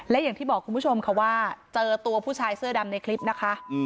และอย่างที่บอกคุณผู้ชมค่ะว่าเจอตัวผู้ชายเสื้อดำในคลิปนะคะ